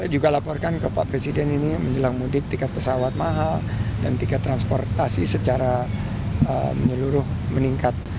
juga laporkan ke pak presiden ini menjelang mudik tiket pesawat mahal dan tiket transportasi secara menyeluruh meningkat